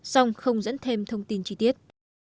song không dẫn thêm thông tin chi tiết